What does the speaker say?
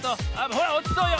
ほらおちそうよ。